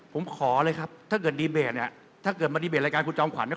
ผมขอเลยครับถ้าเกิดดีเบตเนี่ยถ้าเกิดมาดีเบตรายการคุณจอมขวัญเนี่ย